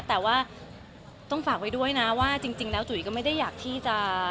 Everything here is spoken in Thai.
แต่ว่าต้องฝากไว้ด้วยนะว่าจริงแล้วจุ๋ยก็ไม่ได้อยากที่จะ